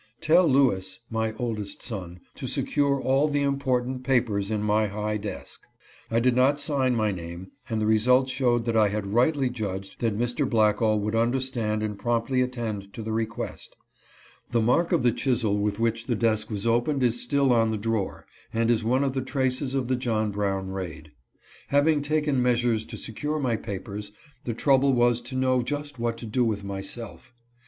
Tell Lewis (my oldest son) to secure all the important papers in my high desk." I did not sign my name, and the result showed that I had rightly judged that Mr. Blackall would understand and promptly attend to the request. The mark of the chisel with which the desk was opened is still on the drawer, and is one of the traces of the John Brown raid. Having taken measures to secure my papers, the trouble was to know just what to do with myself.